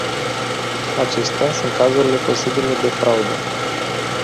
Acestea sunt cazurile posibile de fraudă.